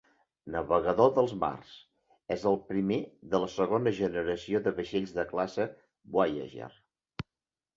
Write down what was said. "Navegador dels mars" és el primer de la segona generació de vaixells de classe "Voyager".